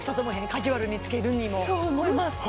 カジュアルにつけるにもホントそう思います